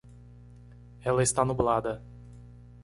Ela está nublada.